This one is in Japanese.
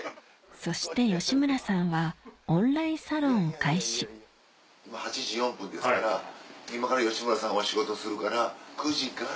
そして吉村さんは今８時４分ですから今から吉村さんは仕事するから９時から。